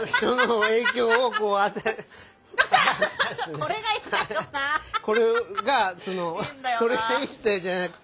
これが「これがいいんだよ」じゃなくて。